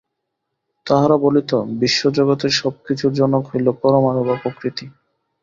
তাহারা বলিত বিশ্বজগতের সব কিছুর জনক হইল পরমাণু বা প্রকৃতি।